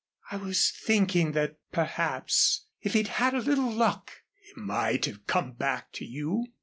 "I was thinking that perhaps if he'd had a little luck " "He might have come back to you?"